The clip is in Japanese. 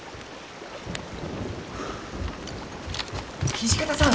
土方さん！